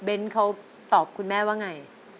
เขาตอบคุณแม่ว่าไง